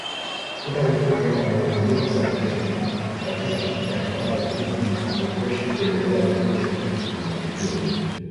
Muda mfupi wa wanaotumia wasafiri kukatiza katika hifadhi hii hautoshi kuelezea vizuri vivutio